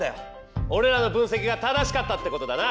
おれらの分析が正しかったってことだな。